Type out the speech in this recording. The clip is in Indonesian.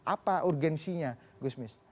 apa urgensinya gusmis